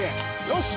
よし！